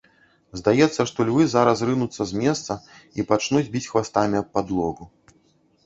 Здаецца, што львы зараз рынуцца з месца і пачнуць біць хвастамі аб падлогу.